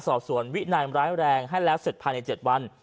สอบสวนวินัยร้ายแรงให้แล้วเสร็จภายใน๗วัน